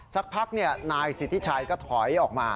สักพักเนี่ยนายศิษย์ที่ชัยก็ถอยออกมา